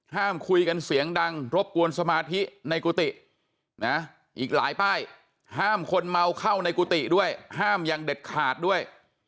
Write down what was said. ห้ามคนเมาเข้าในกุฏิด้วยห้ามอย่างเด็ดขาดด้วย